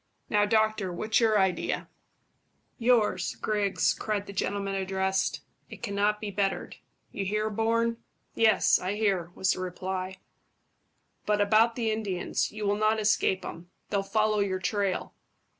Now, doctor, what's your idea?" "Yours, Griggs," cried the gentleman addressed. "It cannot be bettered. You hear, Bourne?" "Yes, I hear," was the reply; "but about the Indians. You will not escape them; they'll follow your trail."